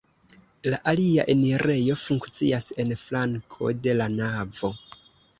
La alia enirejo funkcias en flanko de la navo.